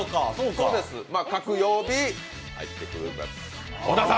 各曜日、入ってきます。